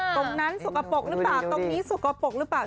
ตรงนั้นสุขปกหรือเปล่าตรงนี้สุขปกหรือเปล่า